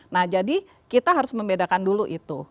nah jadi kita harus membedakan dulu itu